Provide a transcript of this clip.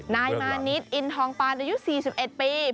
นายมานิดอินทองปานอายุ๔๑ปี